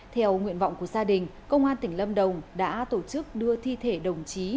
theo nguyện vọng của gia đình công an tỉnh lâm đồng đã tổ chức đưa thi thể đồng chí